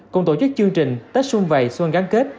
cùng tổ chức chương trình tết xuân vầy xuân gắn kết